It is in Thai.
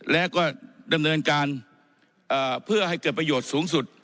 และก็ดำเนินการเพื่อให้เกิดประโยชน์สูงสุด